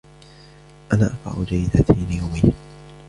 أنا أقرأ جريدتين يومياً.